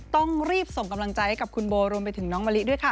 ต้องรีบส่งกำลังใจให้กับคุณโบรวมไปถึงน้องมะลิด้วยค่ะ